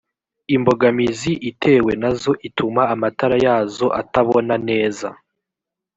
imbogamizi itewe nazo ituma amatara yazo atabona neza